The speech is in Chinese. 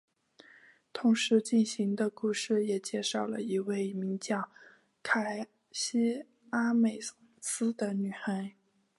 同时进行的故事也介绍的一位名叫凯西阿美斯的女孩。